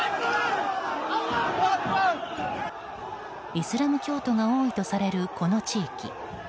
イスラム教徒が多いとされるこの地域。